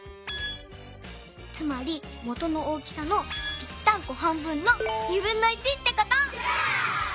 つまりもとの大きさのぴったんこ半分のってこと！